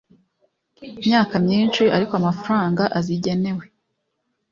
myaka myinshi ariko amafaranga azigenewe